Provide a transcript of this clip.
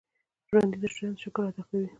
ژوندي د ژوند شکر ادا کوي